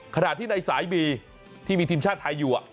ขณะที่ในสายบีที่มีทีมชาติไทยอยู่